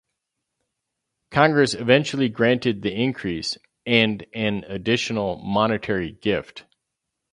Congress eventually granted the increase, and an additional monetary gift.